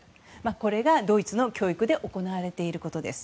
これがドイツの教育で行われていることです。